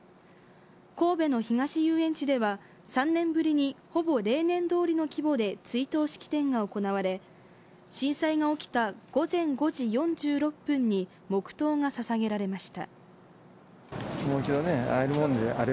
神戸の東遊園地では３年ぶりにほぼ例年どおりの規模で追悼式典が行われ震災が起きた午前５時４６分に黙とうがささげられました。